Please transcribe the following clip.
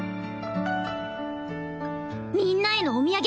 みんなへのお土産